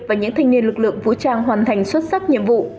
và những thanh niên lực lượng vũ trang hoàn thành xuất sắc nhiệm vụ